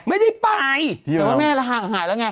ไม่ได้ไปหายแล้วไง